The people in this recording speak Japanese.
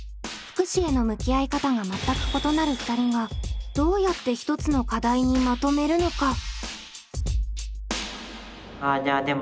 福祉への向き合い方が全く異なる２人がどうやって１つの課題にまとめるのか？